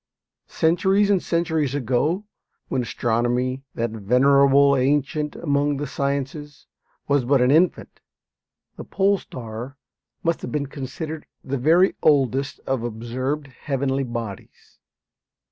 Centuries and centuries ago, when astronomy, that venerable ancient among the sciences, was but an infant, the pole star must have been considered the very oldest of observed heavenly bodies.